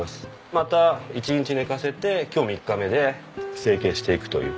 また１日寝かせて今日３日目で成形していくという。